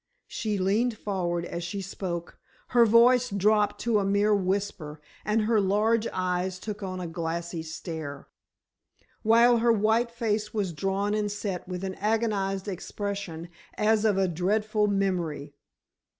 She leaned forward as she spoke, her voice dropped to a mere whisper, and her large eyes took on a glassy stare, while her white face was drawn and set with an agonized expression as of a dreadful memory.